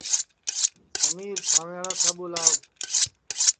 سمیر ٹھانٚوئیاڑا ساٻو لئو